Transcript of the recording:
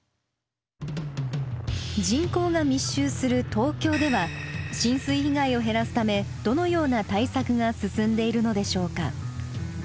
東京では浸水被害を減らすためどのような対策が進んでいるのでしょうか。